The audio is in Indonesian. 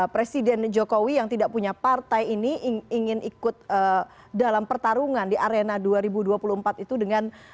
presiden jokowi yang tidak punya partai ini ingin ikut dalam pertarungan di arena dua ribu dua puluh empat itu dengan